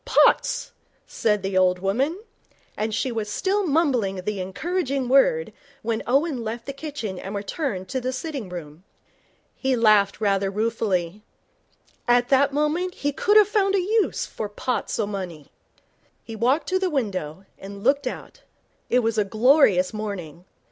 'Pots,' said the old woman, and she was still mumbling the encouraging word when Owen left the kitchen and returned to the sitting room. He laughed rather ruefully. At that moment he could have found a use for pots o' money. He walked to the window, and looked out. It was a glorious morning.